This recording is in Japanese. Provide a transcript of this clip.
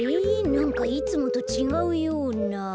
なんかいつもとちがうような。